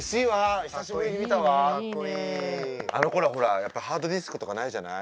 あのころはほらやっぱハードディスクとかないじゃない。